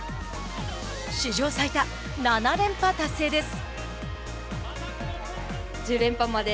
史上最多、７連覇達成です。